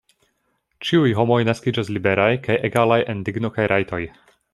Ĉiuj homoj naskiĝas liberaj kaj egalaj en digno kaj rajtoj.